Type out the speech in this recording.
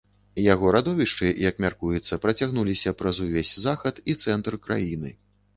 Яго радовішчы, як мяркуецца, працягнуліся праз увесь захад і цэнтр краіны.